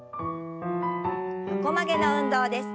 横曲げの運動です。